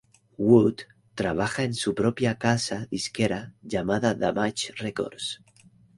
Wood trabaja en su propia casa disquera llamada Damage Records.